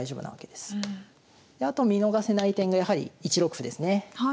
であと見逃せない点がやはり１六歩ですね。